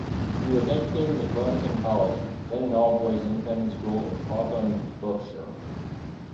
He was educated at Wellington College, then an all-boys independent school in Crowthorne, Berkshire.